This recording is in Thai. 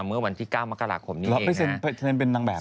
เมื่อวันที่๙มกราคมนี้เองนะ